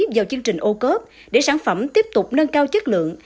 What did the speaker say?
vào chương trình ô cớp để sản phẩm tiếp tục nâng cao chất lượng